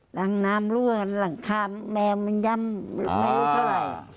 หลังน้ำรั่วหลังคาแมวมันย่ำไม่รู้เท่าไหร่